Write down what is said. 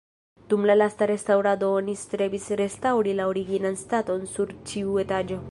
Dum la lasta restaŭrado oni strebis restaŭri la originan staton sur ĉiu etaĝo.